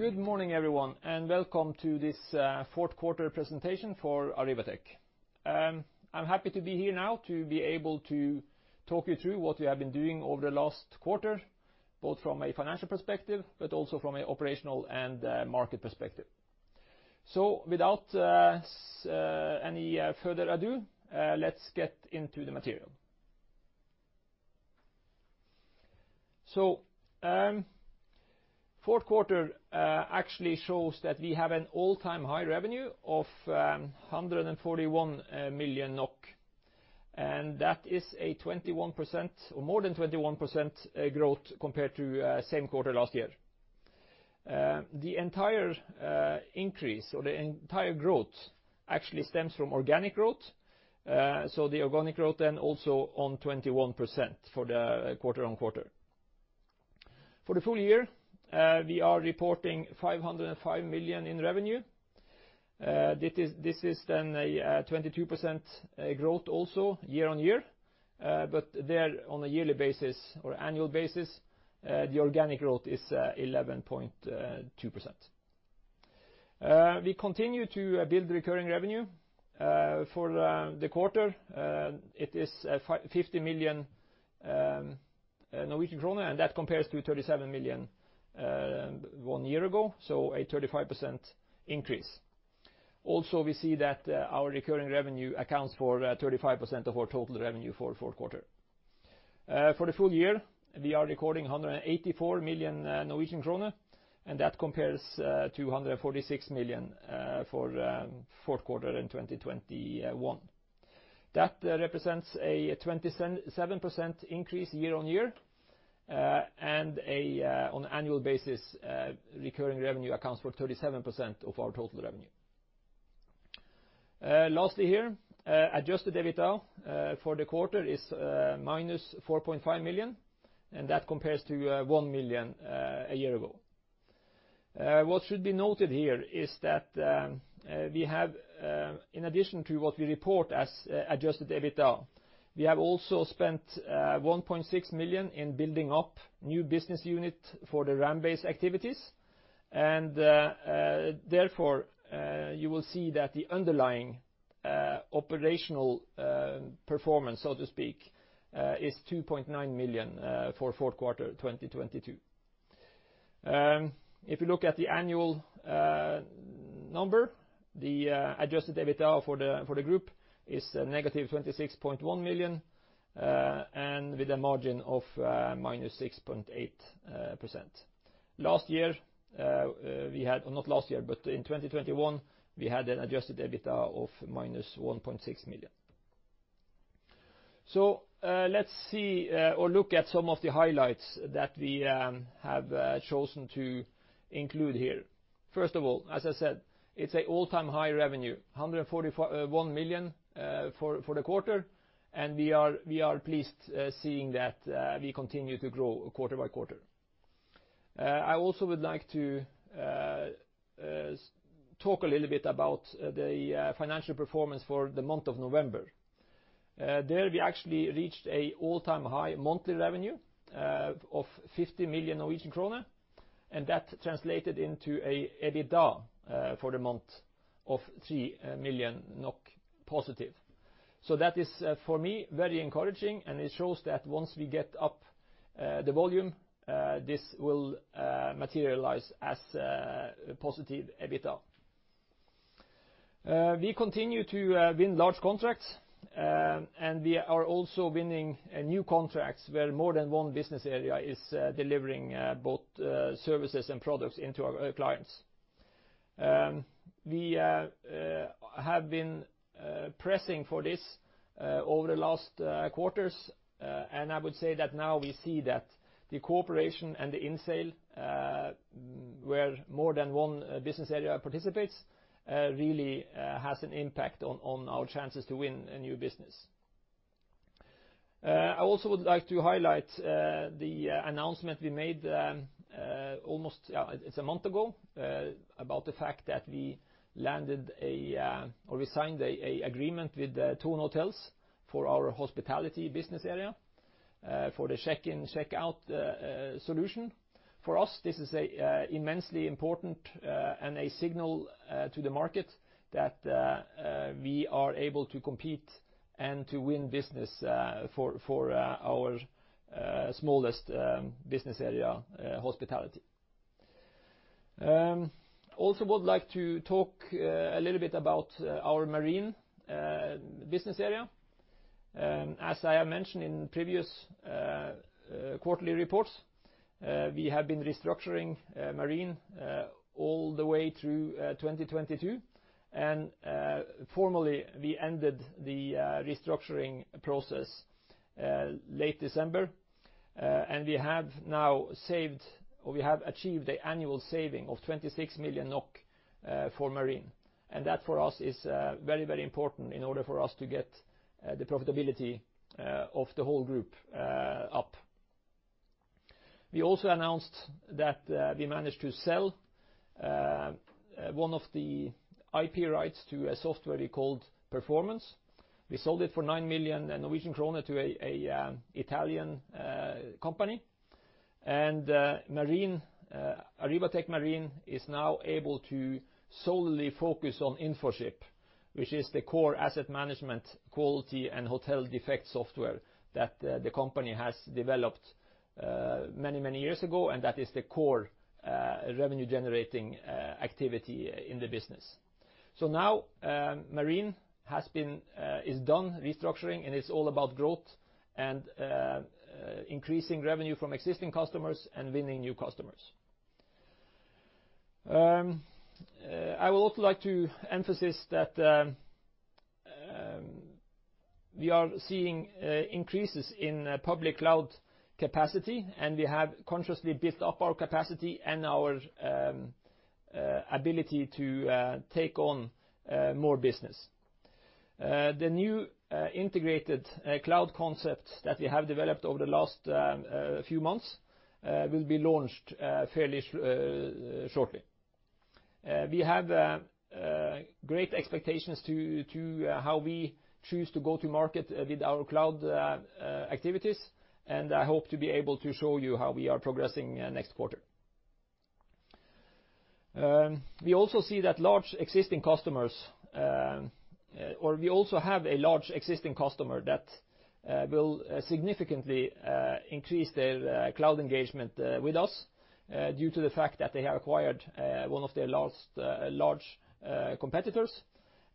Good morning, everyone, and welcome to this fourth quarter presentation for Arribatec. I'm happy to be here now to be able to talk you through what we have been doing over the last quarter, both from a financial perspective, but also from a operational and market perspective. Without any further ado, let's get into the material. Fourth quarter actually shows that we have an all-time high revenue of 141 million NOK, and that is a 21% or more than 21% growth compared to same quarter last year. The entire increase or the entire growth actually stems from organic growth. The organic growth then also on 21% for the quarter on quarter. For the full year, we are reporting 505 million in revenue. This is then a 22% growth also year-on-year. There on a yearly basis or annual basis, the organic growth is 11.2%. We continue to build recurring revenue for the quarter. It is 50 million Norwegian krone, and that compares to 37 million one year ago, so a 35% increase. Also, we see that our recurring revenue accounts for 35% of our total revenue for fourth quarter. For the full year, we are recording 184 million Norwegian kroner, and that compares to 146 million for fourth quarter in 2021. That represents a 27% increase year-on-year, and on annual basis, recurring revenue accounts for 37% of our total revenue. Lastly here, adjusted EBITDA for the quarter is -4.5 million, and that compares to 1 million a year ago. What should be noted here is that we have, in addition to what we report as adjusted EBITDA, we have also spent 1.6 million in building up new business unit for the RamBase activities. Therefore, you will see that the underlying operational performance, so to speak, is 2.9 million for fourth quarter 2022. If you look at the annual number, the adjusted EBITDA for the group is -26.1 million with a margin of -6.8%. Last year, in 2021, we had an adjusted EBITDA of -1.6 million. Let's see or look at some of the highlights that we have chosen to include here. First of all, as I said, it's a all-time high revenue, 141 million for the quarter, we are pleased seeing that we continue to grow quarter by quarter. I also would like to talk a little bit about the financial performance for the month of November. There we actually reached a all-time high monthly revenue of 50 million Norwegian kroner, and that translated into a EBITDA for the month of 3 million NOK positive. That is, for me, very encouraging, and it shows that once we get up the volume, this will materialize as positive EBITDA. We continue to win large contracts, and we are also winning new contracts where more than one business area is delivering both services and products into our clients. We have been pressing for this over the last quarters. I would say that now we see that the cooperation and the in-sale, where more than one business area participates, really has an impact on our chances to win a new business. I also would like to highlight the announcement we made almost one month ago about the fact that we landed or we signed a agreement with Thon Hotels for our hospitality business area for the check-in, check-out solution. For us, this is a immensely important and a signal to the market that we are able to compete and to win business for our smallest business area, hospitality. Also would like to talk a little bit about our marine business area. As I have mentioned in previous quarterly reports, we have been restructuring marine all the way through 2022. Formally, we ended the restructuring process late December. We have now saved, or we have achieved an annual saving of 26 million NOK for marine. That for us is very, very important in order for us to get the profitability of the whole group up. We also announced that we managed to sell one of the IP rights to a software we called Performance. We sold it for 9 million Norwegian kroner to a Italian company. Marine, Arribatec Marine is now able to solely focus on Infoship, which is the core asset management quality and Hotel Defect software that the company has developed many, many years ago, and that is the core revenue-generating activity in the business. Now, Marine has been is done restructuring, and it's all about growth and increasing revenue from existing customers and winning new customers. I would also like to emphasize that we are seeing increases in public cloud capacity, and we have consciously built up our capacity and our ability to take on more business. The new integrated cloud concept that we have developed over the last few months will be launched fairly shortly. We have great expectations to how we choose to go to market with our cloud activities, and I hope to be able to show you how we are progressing next quarter. We also see that large existing customers, or we also have a large existing customer that will significantly increase their cloud engagement with us due to the fact that they have acquired one of their last large competitors.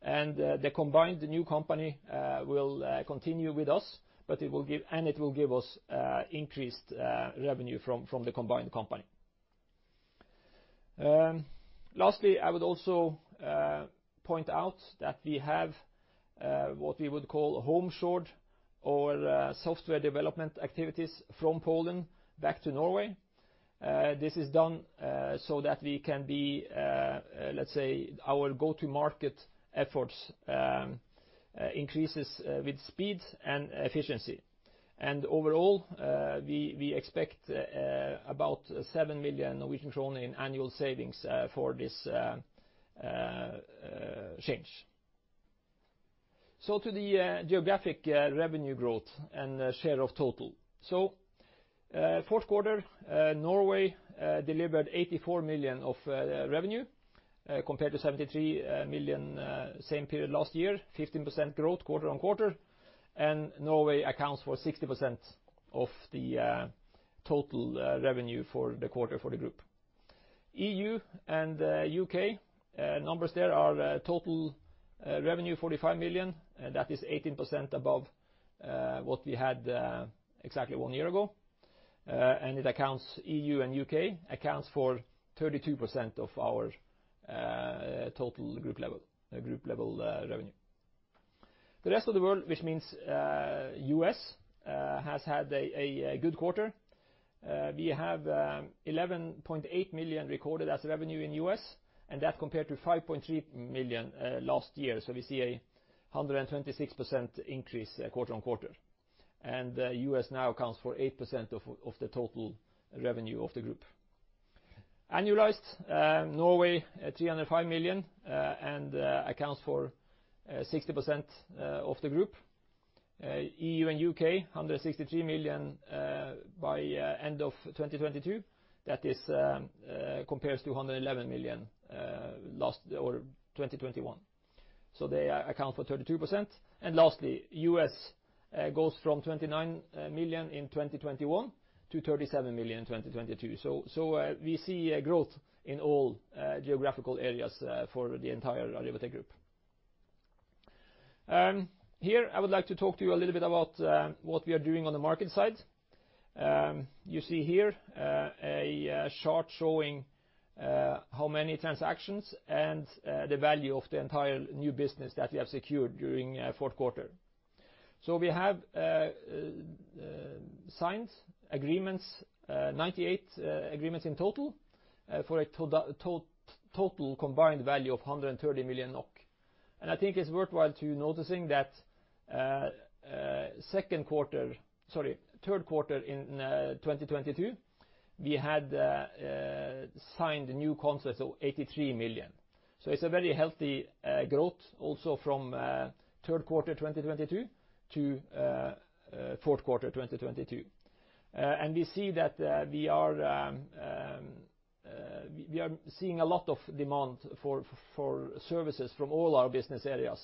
The combined, the new company will continue with us, but it will give us increased revenue from the combined company. Lastly, I would also point out that we have what we would call home shored or software development activities from Poland back to Norway. This is done so that we can be, let's say, our go-to market efforts increases with speed and efficiency. Overall, we expect about 7 million Norwegian kroner in annual savings for this change. To the geographic revenue growth and share of total. Fourth quarter Norway delivered 84 million of revenue compared to 73 million same period last year, 15% growth quarter-on-quarter, and Norway accounts for 60% of the total revenue for the quarter for the group. E.U. U.K. numbers there are total revenue 45 million. That is 18% above what we had exactly one year ago. E.U. and U.K. accounts for 32% of our total group level revenue. The rest of the world, which means U.S., has had a good quarter. We have 11.8 million recorded as revenue in U.S., that compared to 5.3 million last year. We see a 126% increase quarter-on-quarter. U.S. now accounts for 8% of the total revenue of the group. Annualized, Norway at 305 million accounts for 60% of the group. E.U. and U.K., 163 million by end of 2022. That is, compares to 111 million last or 2021. They account for 32%. Lastly, U.S. goes from 29 million in 2021 to 37 million in 2022. We see growth in all geographical areas for the entire Arribatec Group. Here, I would like to talk to you a little bit about what we are doing on the market side. You see here a chart showing how many transactions and the value of the entire new business that we have secured during fourth quarter. We have signed agreements, 98 agreements in total, for a total combined value of 130 million NOK. I think it's worthwhile to noticing that second quarter. Sorry, third quarter in 2022, we had signed new contracts of 83 million. It's a very healthy growth also from third quarter 2022 to fourth quarter 2022. We see that we are seeing a lot of demand for services from all our business areas.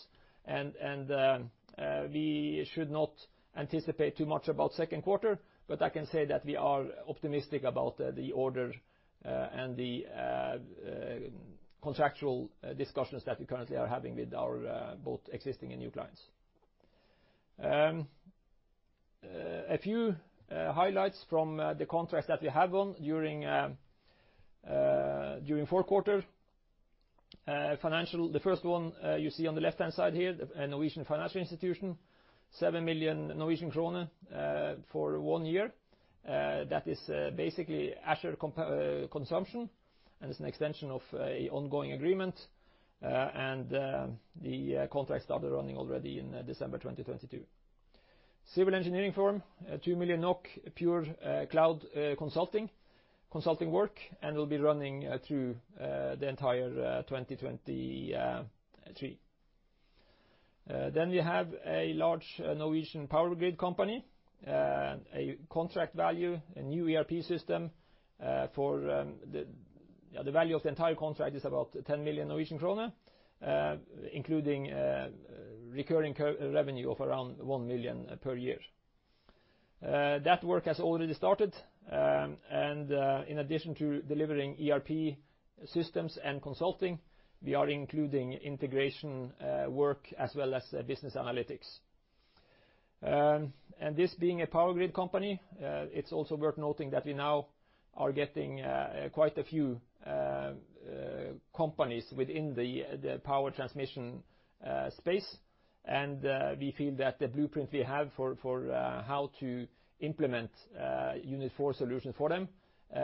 We should not anticipate too much about second quarter, but I can say that we are optimistic about the order and the contractual discussions that we currently are having with our both existing and new clients. A few highlights from the contracts that we have won during fourth quarter. Financial, the first one, you see on the left-hand side here, the Norwegian financial institution, 7 million Norwegian krone, for one year. That is basically Azure consumption, and it's an extension of a ongoing agreement. The contract started running already in December 2022. Civil engineering firm, 2 million NOK, pure cloud consulting work, and will be running through the entire 2023. We have a large Norwegian power grid company, a contract value, a new ERP system, for the value of the entire contract is about 10 million Norwegian krone, including recurring revenue of around 1 million per year. That work has already started. In addition to delivering ERP systems and consulting, we are including integration work, as well as business analytics. This being a power grid company, it's also worth noting that we now are getting quite a few companies within the power transmission space. We feel that the Blueprint we have for how to implement Unit4 solutions for them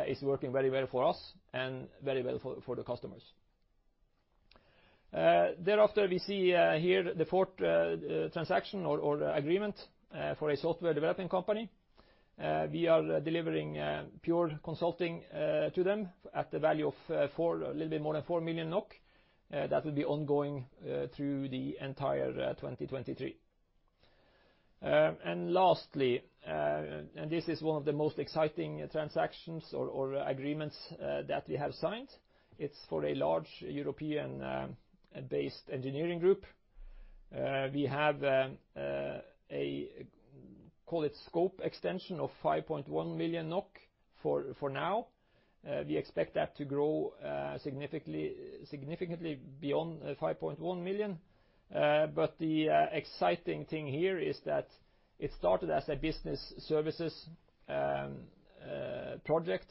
is working very well for us and very well for the customers. Thereafter, we see here the fourth transaction or agreement for a software developing company. We are delivering pure consulting to them at the value of a little bit more than 4 million NOK. That will be ongoing through the entire 2023. Lastly, this is one of the most exciting transactions or agreements that we have signed. It's for a large European based engineering group. We have, call it, scope extension of 5.1 million NOK for now. We expect that to grow significantly beyond 5.1 million. The exciting thing here is that it started as a business services project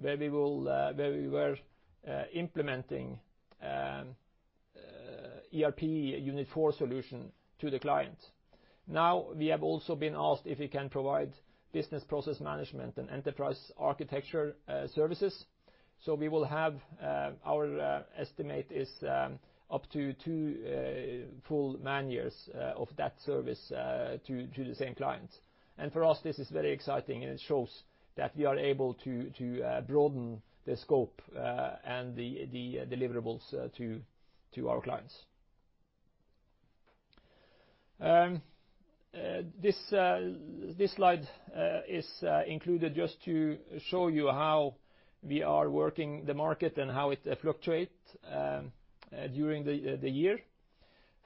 where we were implementing ERP Unit4 solution to the client. Now, we have also been asked if we can provide business process management and enterprise architecture services. We will have our estimate is up to two full man-years of that service to the same client. For us, this is very exciting, and it shows that we are able to broaden the scope and the deliverables to our clients. This slide is included just to show you how we are working the market and how it fluctuate during the year.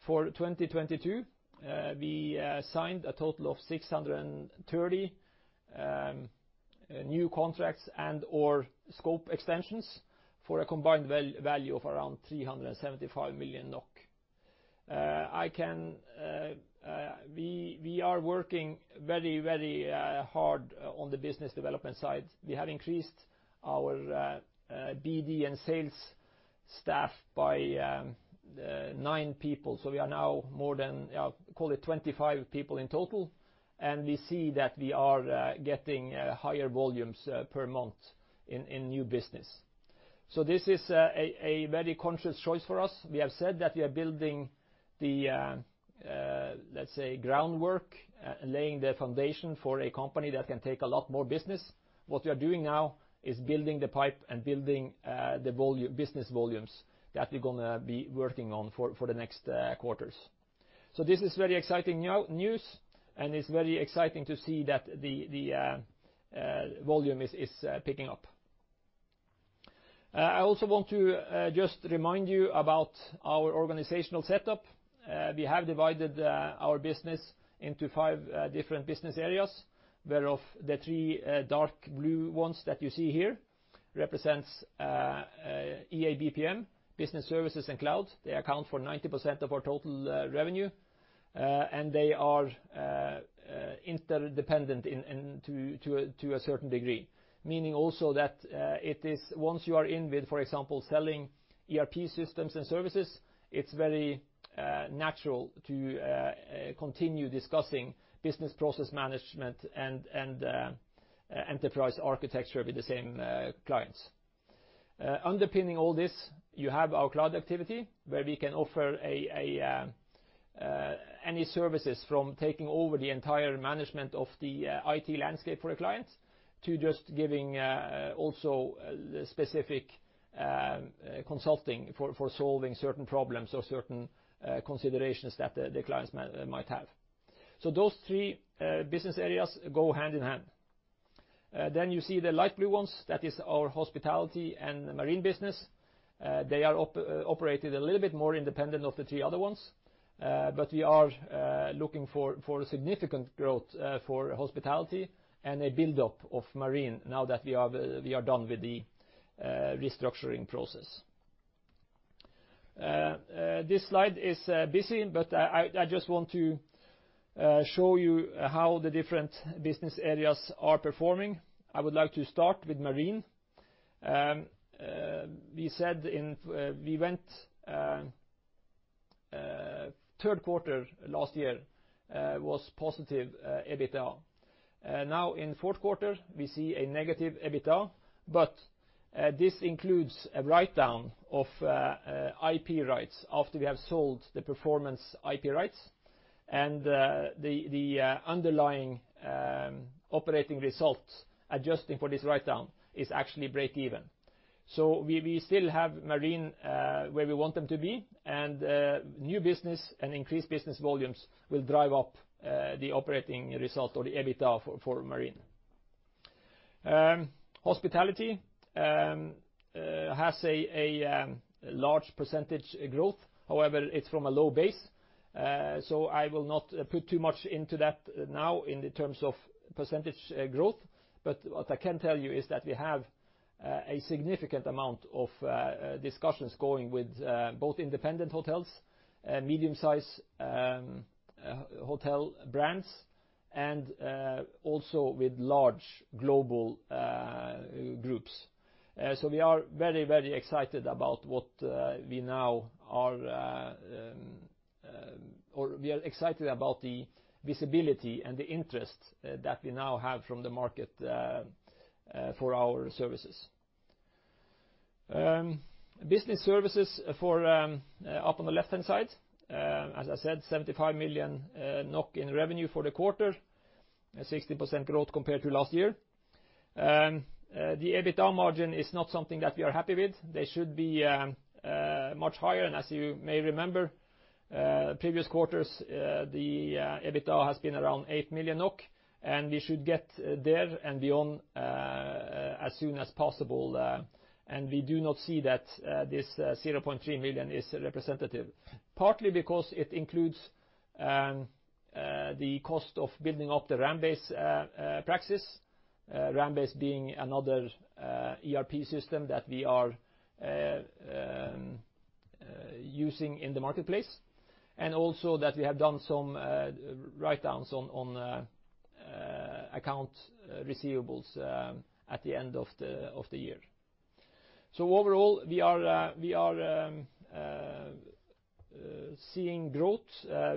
For 2022, we signed a total of 630 new contracts and/or scope extensions for a combined value of around 375 million NOK. We are working very, very hard on the business development side. We have increased our BD and sales staff by nine people. We are now more than, call it, 25 people in total, and we see that we are getting higher volumes per month in new business. This is a very conscious choice for us. We have said that we are building the, let's say, groundwork, laying the foundation for a company that can take a lot more business. What we are doing now is building the pipe and building the business volumes that we're gonna be working on for the next quarters. This is very exciting now, news, and it's very exciting to see that the volume is picking up. I also want to just remind you about our organizational setup. We have divided our business into five different business areas, where of the three dark blue ones that you see here represents EA&BPM, business services, and cloud. They account for 90% of our total revenue. They are interdependent to a certain degree. Meaning also that, it is once you are in with, for example, selling ERP systems and services, it's very natural to continue discussing business process management and enterprise architecture with the same clients. Underpinning all this, you have our cloud activity, where we can offer any services from taking over the entire management of the IT landscape for a client to just giving also specific consulting for solving certain problems or certain considerations that the clients might have. Those three business areas go hand-in-hand. Then you see the light blue ones. That is our hospitality and marine business. They are operated a little bit more independent of the three other ones. But we are looking for significant growth for hospitality and a build-up of marine now that we are done with the restructuring process. This slide is busy, but I just want to show you how the different business areas are performing. I would like to start with marine. We said in, we went, third quarter last year was positive EBITDA. Now in fourth quarter, we see a negative EBITDA, but this includes a write-down of IP rights after we have sold the Performance IP rights and the underlying operating results, adjusting for this write-down is actually break even. We still have Marine where we want them to be and new business and increased business volumes will drive up the operating result or the EBITDA for Marine. Hospitality has a large percentage growth. However, it's from a low base. I will not put too much into that now in terms of percentage growth. What I can tell you is that we have a significant amount of discussions going with both independent hotels, medium-sized hotel brands and also with large global groups. We are very, very excited about the visibility and the interest that we now have from the market for our services. Business Services for up on the left-hand side, as I said, 75 million NOK in revenue for the quarter, a 16% growth compared to last year. The EBITDA margin is not something that we are happy with. They should be much higher. As you may remember, previous quarters, the EBITDA has been around 8 million, and we should get there and beyond as soon as possible, and we do not see that this 0.3 million is representative. Partly because it includes the cost of building up the RamBase practice, RamBase being another ERP system that we are using in the marketplace, and also that we have done some write-downs on account receivables at the end of the year. Overall, we are seeing growth.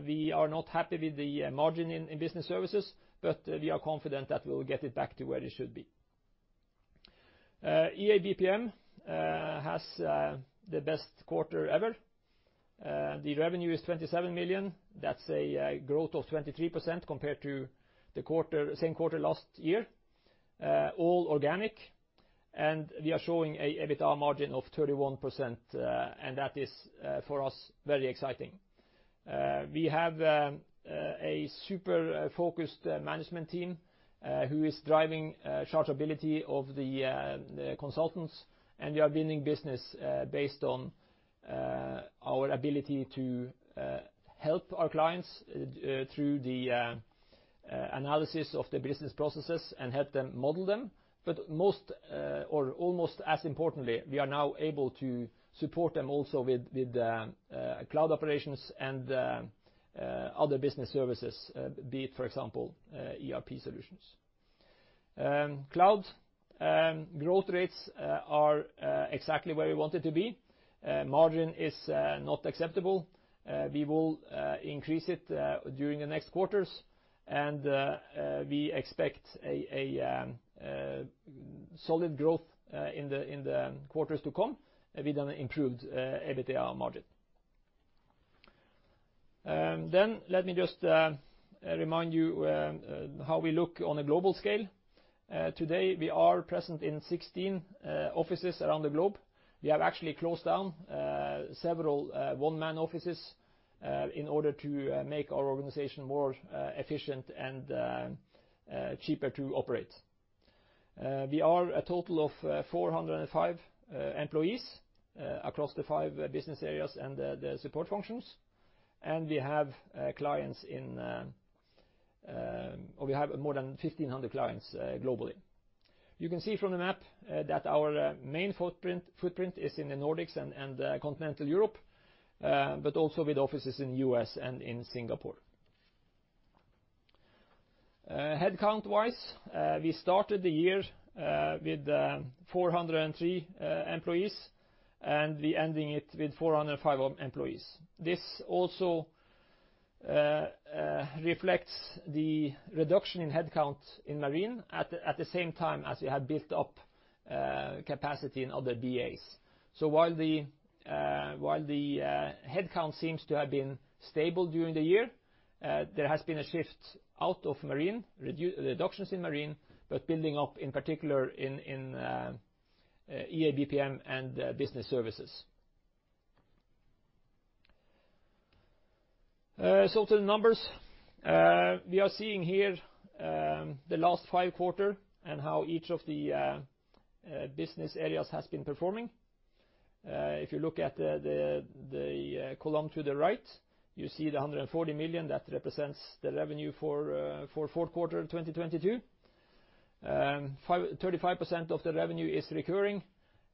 We are not happy with the margin in Business Services, but we are confident that we'll get it back to where it should be. EA&BPM has the best quarter ever. The revenue is 27 million. That's a growth of 23% compared to the quarter, same quarter last year, all organic. We are showing a EBITDA margin of 31%, and that is for us, very exciting. We have a super focused management team who is driving chargeability of the consultants, and we are winning business based on our ability to help our clients through the analysis of the business processes and help them model them. Most, or almost as importantly, we are now able to support them also with cloud operations and other business services, be it, for example, ERP solutions. Cloud growth rates are exactly where we want it to be. Margin is not acceptable. We will increase it during the next quarters and we expect a solid growth in the quarters to come with an improved EBITDA margin. Let me just remind you how we look on a global scale. Today, we are present in 16 offices around the globe. We have actually closed down several one-man offices in order to make our organization more efficient and cheaper to operate. We are a total of 405 employees across the five business areas and the support functions, and we have clients in or we have more than 1,500 clients globally. You can see from the map that our main footprint is in the Nordics and Continental Europe, but also with offices in U.S. and in Singapore. Headcount-wise, we started the year with 403 employees, and we ending it with 405 employees. This also reflects the reduction in headcount in Marine at the same time as we have built up capacity in other BAs. While the headcount seems to have been stable during the year, there has been a shift out of Marine, reductions in Marine, but building up in particular in EA&BPM and Business Services. To the numbers, we are seeing here the last five quarter and how each of the business areas has been performing. If you look at the column to the right, you see 140 million that represents the revenue for fourth quarter, 2022. 35% of the revenue is recurring,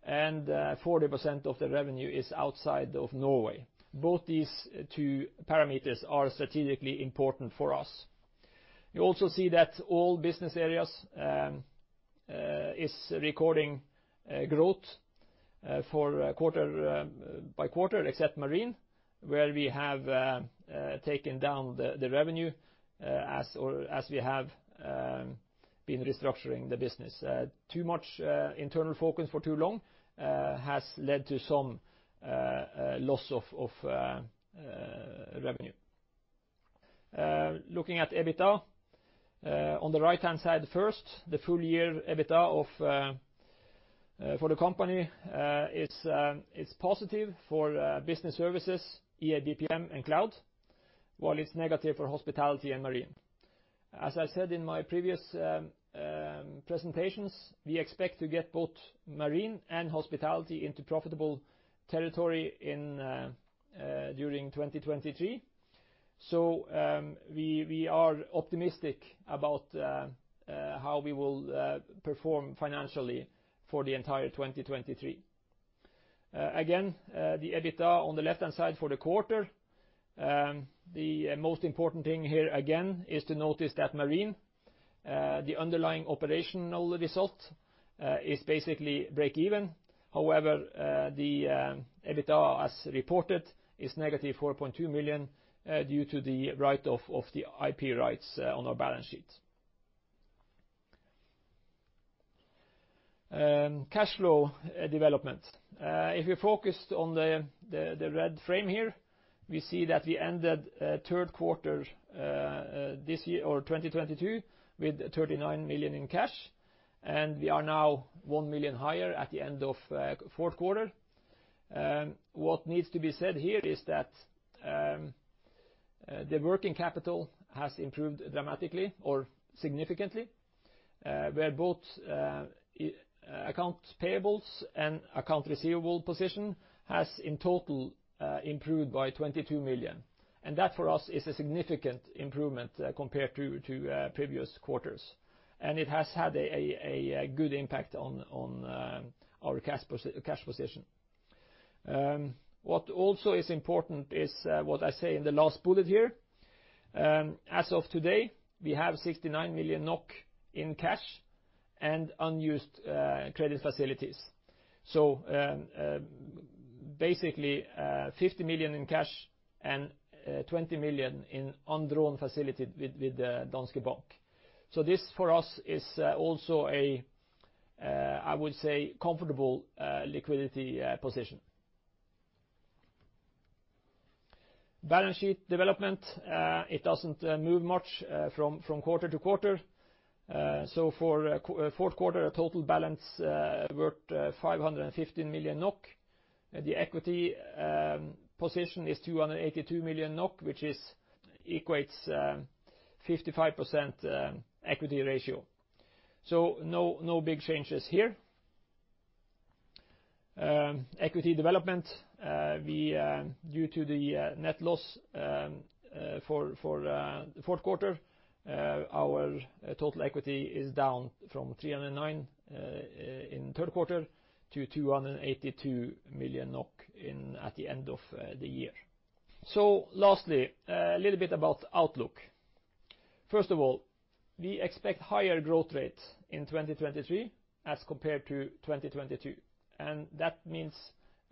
and 40% of the revenue is outside of Norway. Both these two parameters are strategically important for us. You also see that all business areas is recording growth for quarter by quarter except Marine, where we have taken down the revenue as we have been restructuring the business. Too much internal focus for too long has led to some loss of revenue. Looking at EBITDA on the right-hand side first, the full year EBITDA of for the company is positive for business services, EA&BPM and cloud, while it's negative for hospitality and marine. I said in my previous presentations, we expect to get both marine and hospitality into profitable territory during 2023. We are optimistic about how we will perform financially for the entire 2023. Again, the EBITDA on the left-hand side for the quarter, the most important thing here again is to notice that marine, the underlying operational result is basically break even. However, the EBITDA as reported is negative 4.2 million due to the write-off of the IP rights on our balance sheet. Cash flow development. If you're focused on the red frame here, we see that we ended third quarter 2022 with 39 million in cash. We are now 1 million higher at the end of fourth quarter. What needs to be said here is that the working capital has improved dramatically or significantly, where both accounts payables and account receivable position has in total improved by 22 million. That for us is a significant improvement compared to previous quarters. It has had a good impact on our cash position. What also is important is what I say in the last bullet here. As of today, we have 69 million NOK in cash and unused credit facilities. Basically, 50 million in cash and 20 million in undrawn facility with Danske Bank. This for us is also a, I would say, comfortable liquidity position. Balance sheet development, it doesn't move much from quarter to quarter. For fourth quarter, a total balance worth 515 million NOK. The equity position is 282 million NOK, which equates 55% equity ratio. No big changes here. Equity development, we due to the net loss for fourth quarter, our total equity is down from 309 in third quarter to 282 million NOK at the end of the year. Lastly, a little bit about outlook. First of all, we expect higher growth rates in 2023 as compared to 2022, that means,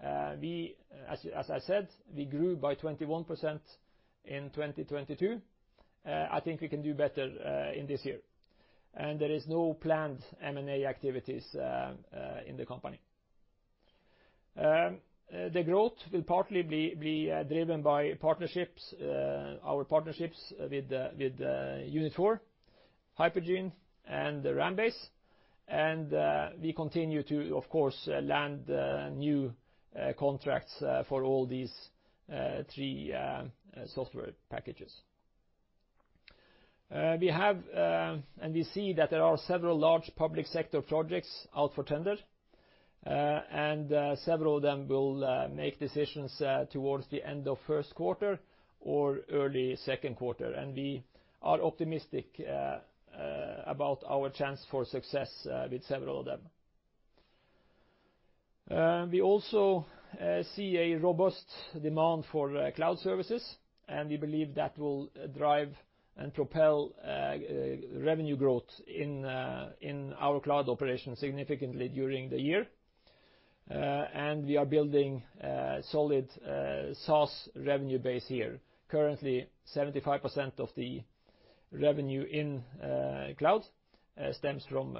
as I said, we grew by 21% in 2022. I think we can do better in this year. There is no planned M&A activities in the company. The growth will partly be driven by partnerships, our partnerships with Unit4, Hypergene, and RamBase. We continue to, of course, land new contracts for all these three software packages. We have, and we see that there are several large public sector projects out for tender, and several of them will make decisions towards the end of first quarter or early second quarter. We are optimistic about our chance for success with several of them. We also see a robust demand for cloud services, and we believe that will drive and propel revenue growth in our cloud operation significantly during the year. We are building a solid SaaS revenue base here. Currently, 75% of the revenue in cloud stems from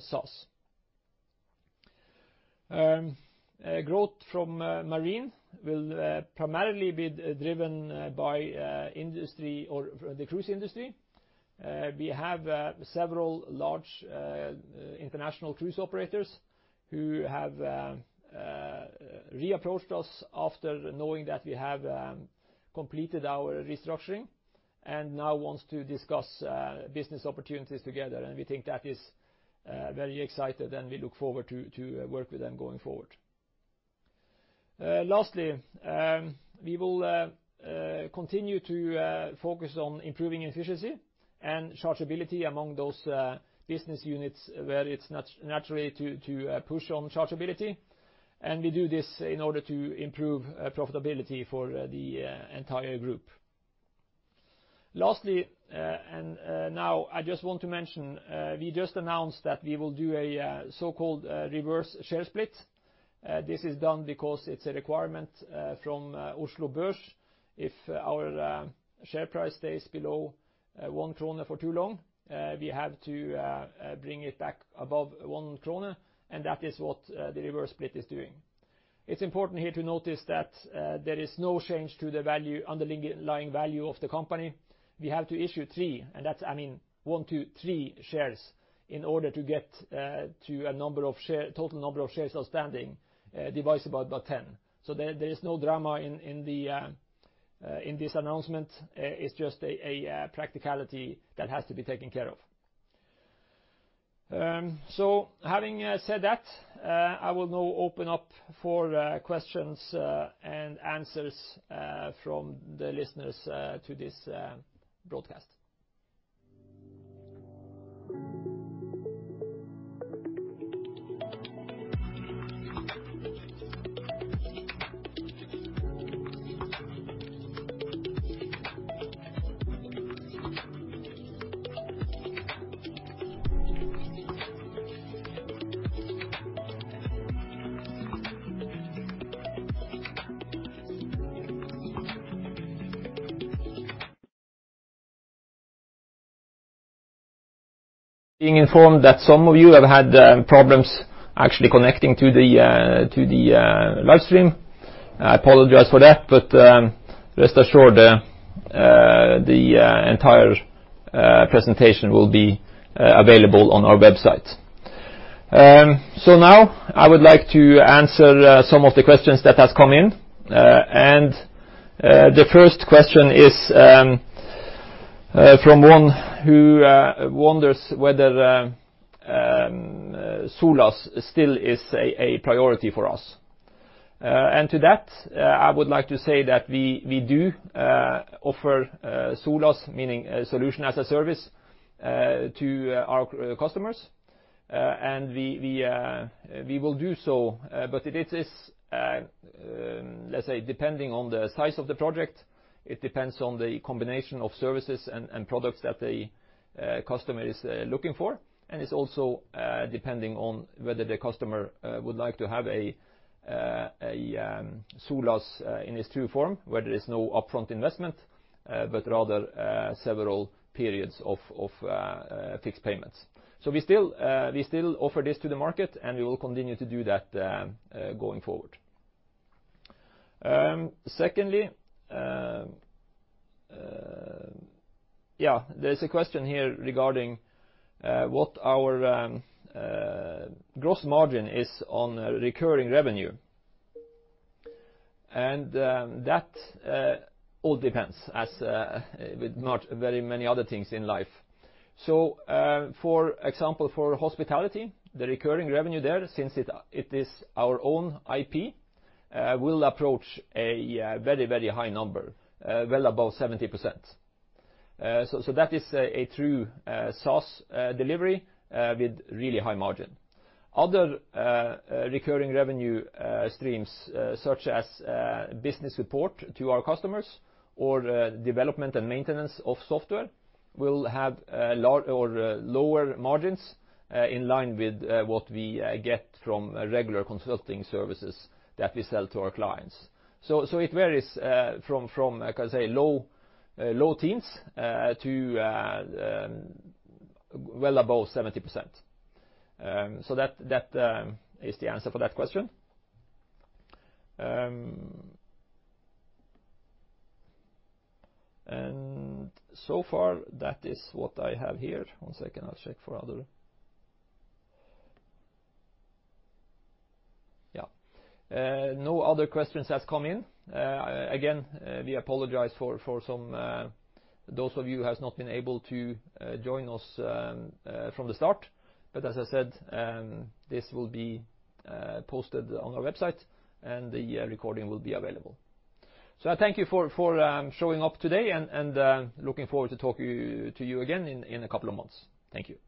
SaaS. Growth from marine will primarily be driven by industry or the cruise industry. We have several large international cruise operators who have reapproached us after knowing that we have completed our restructuring and now wants to discuss business opportunities together. We think that is very exciting, and we look forward to work with them going forward. Lastly, we will continue to focus on improving efficiency and chargeability among those business units where it's naturally to push on chargeability. We do this in order to improve profitability for the entire group. Lastly, now I just want to mention, we just announced that we will do a so-called reverse share split. This is done because it's a requirement from Oslo Børs. If our share price stays below 1 krone for too long, we have to bring it back above 1 krone, and that is what the reverse split is doing. It's important here to notice that there is no change to the value, underlying value of the company. We have to issue three, and that's, I mean, one, two, three shares in order to get to a total number of shares outstanding, divides by 10. There is no drama in this announcement. It's just a practicality that has to be taken care of. Having said that, I will now open up for questions and answers from the listeners to this broadcast. Being informed that some of you have had problems actually connecting to the live stream. I apologize for that. Rest assured, the entire presentation will be available on our website. Now I would like to answer some of the questions that has come in. The first question is from one who wonders whether Solus still is a priority for us. To that, I would like to say that we do offer Solus, meaning a solution as a service, to our customers. We will do so, but it is, let's say, depending on the size of the project, it depends on the combination of services and products that the customer is looking for. It's also depending on whether the customer would like to have a Solus in its true form, where there is no upfront investment, but rather several periods of fixed payments. We still offer this to the market, and we will continue to do that going forward. Secondly, yeah, there's a question here regarding what our gross margin is on recurring revenue. That all depends as with mar- very many other things in life. For example, for hospitality, the recurring revenue there, since it is our own IP, will approach a very high number, well above 70%. That is a true SaaS delivery with really high margin. Other recurring revenue streams, such as business support to our customers or development and maintenance of software will have lower margins, in line with what we get from regular consulting services that we sell to our clients. It varies from, I can say, low teens, to well above 70%. That is the answer for that question. So far, that is what I have here. One second, I'll check for other. Yeah. No other questions has come in. Again, we apologize for some, those of you who has not been able to join us from the start. As I said, this will be posted on our website, and the recording will be available. I thank you for showing up today, and looking forward to talking to you again in a couple of months. Thank you.